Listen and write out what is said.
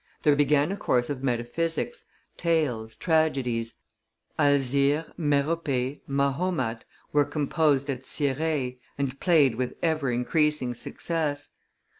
There began a course of metaphysics, tales, tragedies; Alzire, Merope, Mahomet, were composed at Cirey and played with ever increasing success.